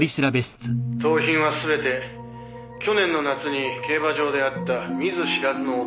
「盗品は全て去年の夏に競馬場で会った見ず知らずの男に売った。